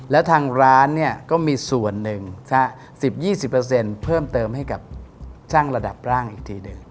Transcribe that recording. แล้วทางร้านเนี่ยก็มีส่วนหนึ่ง๑๐๒๐เพิ่มเติมให้กับช่างระดับร่างอีกทีหนึ่ง